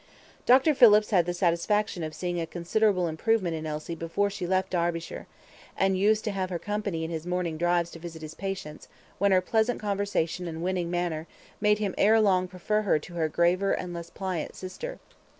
Dr. Phillips had the satisfaction of seeing a considerable improvement in Elsie before she left Derbyshire, and used to have her company in his morning drives to visit his patients, when her pleasant conversation and winning manner made him ere long prefer her to her graver and less pliant sister.